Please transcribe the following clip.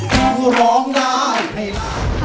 เพราะร้องร้ายไว้